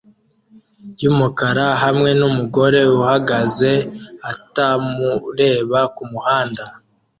yumukara hamwe numugore uhagaze atamureba kumuhanda